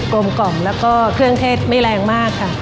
ลมกล่อมแล้วก็เครื่องเทศไม่แรงมากค่ะ